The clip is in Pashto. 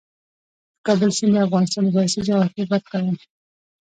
د کابل سیند د افغانستان د سیاسي جغرافیه برخه ده.